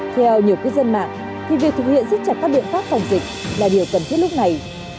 theo nhiều cư dân mạng việc thực hiện xếp chặt các biện pháp phòng dịch là điều cần thiết lúc này